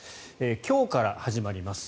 今日から始まります。